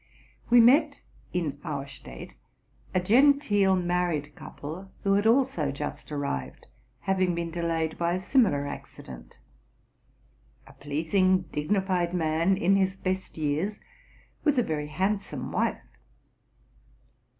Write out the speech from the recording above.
We met, in Auerstadt, a genteel married couple, who had also just arrived, having been delayed by a similar accident ; a pleasing, dignified man, in his best years, with a very hand some wife.